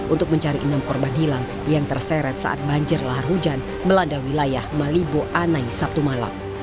untuk mencari enam korban hilang yang terseret saat banjir lahar hujan melanda wilayah malibo anai sabtu malam